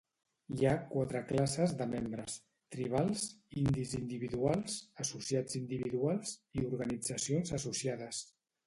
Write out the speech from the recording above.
Hi ha quatre classes de membres: tribals, indis individuals, associats individuals, i organitzacions associades.